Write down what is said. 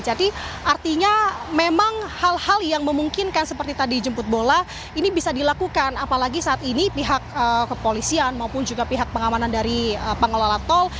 jadi artinya memang hal hal yang memungkinkan seperti tadi jemput bola ini bisa dilakukan apalagi saat ini pihak kepolisian maupun juga pihak pengamanan dari pengelola tol